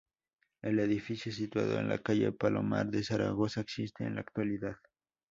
El edificio, situado en la Calle Palomar de Zaragoza, existe en la actualidad.